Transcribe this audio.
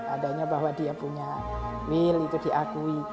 adanya bahwa dia punya mil itu diakui